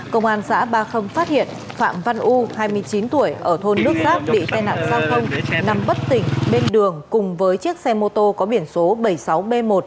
công an xã ba mươi phát hiện phạm văn u hai mươi chín tuổi ở thôn nước giáp bị tai nạn giao thông nằm bất tỉnh bên đường cùng với chiếc xe mô tô có biển số bảy mươi sáu b một trăm năm mươi bảy nghìn bảy trăm một mươi hai